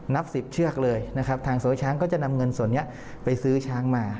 นับ๑๐เชือกเลยนะครับทางโซช้างก็จะนำเงินส่วนนี้ไปซื้อช้างมา